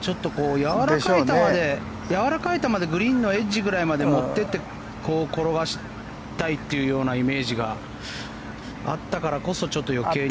ちょっとやわらかい球でグリーンのエッジぐらいまで持っていって転がしたいというようなイメージがあったからこそちょっと余計に。